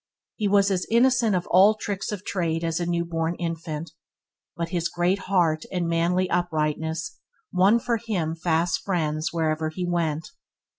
He was as innocent of all "tricks of trade" as a new born infant, but his great heart and manly uprightness won for him fast friends wherever he went.